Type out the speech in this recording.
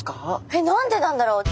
えっ何でなんだろう？